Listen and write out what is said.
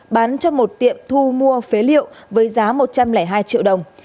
bán cho một tiệm thu mua phế liệu với giá một trăm linh hai triệu đồng